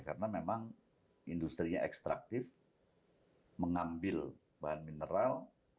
karena memang industri ekstraktif mengambil bahan mineral